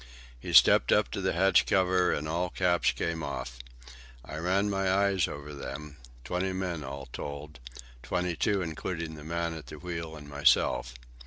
He stepped up to the hatch cover, and all caps came off. I ran my eyes over them—twenty men all told; twenty two including the man at the wheel and myself.